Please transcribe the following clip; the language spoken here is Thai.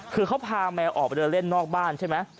คือเขาพาแมวออกไปเดินเล่นนอกบ้านใช่ไหม